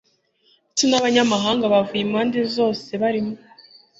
ndetse n'abanyamahanga bavuye impande zose barimo,